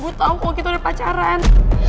ibu tahu kok kita udah pacaran